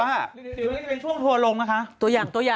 เดี๋ยวเป็นช่วงทัวรมนะคะ